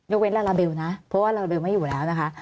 เว้นลาลาเบลนะเพราะว่าลาเบลไม่อยู่แล้วนะคะ